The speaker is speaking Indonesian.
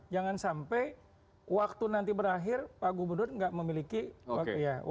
jangan sampai waktu nanti berakhir pak gubernur nggak memiliki wakil